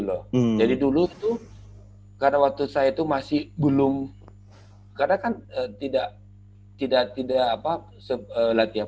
loh jadi dulu tuh karena waktu saya itu masih belum karena kan tidak tidak tidak apa latihan